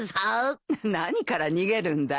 何から逃げるんだい。